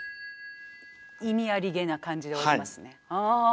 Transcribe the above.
意味ありげな感じで終わりますね。